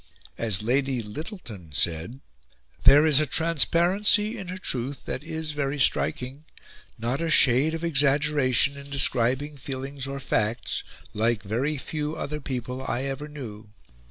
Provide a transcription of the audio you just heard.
As Lady Lyttelton said: "There is a transparency in her truth that is very striking not a shade of exaggeration in describing feelings or facts; like very few other people I ever knew.